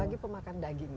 bagi pemakan dagingnya